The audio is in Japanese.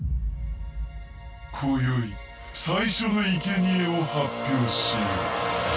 こよい最初のいけにえを発表しよう。